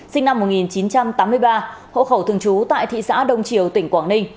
sinh năm một nghìn chín trăm tám mươi ba hộ khẩu thường trú tại thị xã đông triều tỉnh quảng ninh